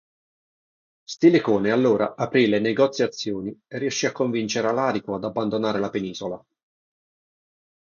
Stilicone allora aprì le negoziazioni e riuscì a convincere Alarico ad abbandonare la penisola.